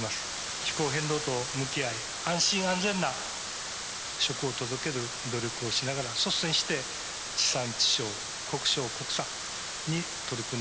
気候変動と向き合い安心安全な食を届ける努力をしながら率先して地産地消国消国産に取り組んでまいります。